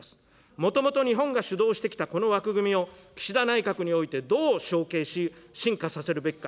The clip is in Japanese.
もともと、日本が主導してきたこの枠組みを、岸田内閣においてどう承継し、深化させるべきか。